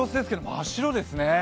真っ白ですね。